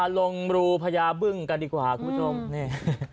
ลงรูพญาบึ้งกันดีกว่าคุณผู้ชมนี่